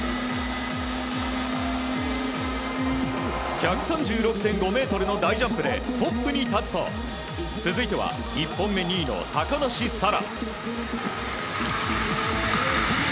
１３６．５ｍの大ジャンプでトップに立つと続いては、１本目２位の高梨沙羅。